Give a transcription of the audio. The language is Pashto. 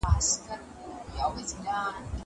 زه اوس سبا ته فکر کوم.